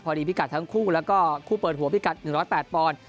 พรีภิกัดทั้งคู่และภิกัด๑๐๘ปวล